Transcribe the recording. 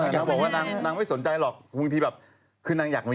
นางบอกว่านางไม่สนใจหรอกบางทีแบบคือนางอยากรู้